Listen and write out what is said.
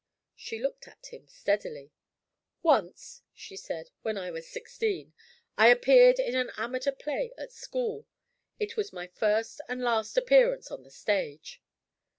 She looked at him steadily. "Once," she said, "when I was sixteen, I appeared in an amateur play at school. It was my first and last appearance on the stage."